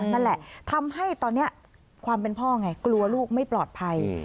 นั่นแหละทำให้ตอนนี้ความเป็นพ่อไงกลัวลูกไม่ปลอดภัย